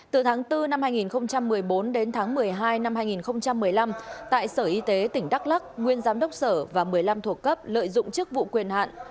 từ tháng bốn năm hai nghìn một mươi bốn đến tháng một mươi hai năm hai nghìn một mươi năm tại sở y tế tỉnh đắk lắc nguyên giám đốc sở và một mươi năm thuộc cấp lợi dụng chức vụ quyền hạn